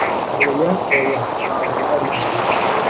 oya, oya! ntabwo aribyo